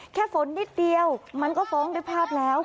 แค่ฝนนิดเดียวมันก็ฟ้องด้วยภาพแล้ว